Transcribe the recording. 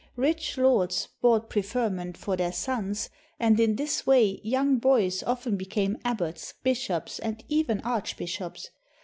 Rich lords bought preferment for their sons, and in this way young boys often became abbots, bishops, and even arch bishops.